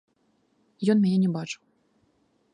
Ён мяне не бачыў.